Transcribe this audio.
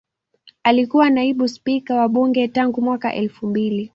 Alikuwa Naibu Spika wa Bunge tangu mwaka elfu mbili